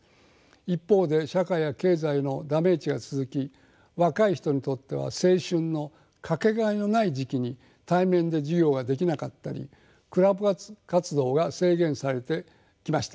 一方で社会や経済のダメージが続き若い人にとっては青春の掛けがえのない時期に対面で授業ができなかったりクラブ活動が制限されてきました。